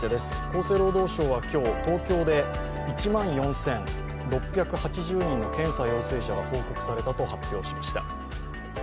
厚生労働省は今日、東京で１万４６８０人の検査陽性者が報告されたと発表しました。